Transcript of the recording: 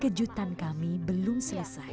kejutan kami belum selesai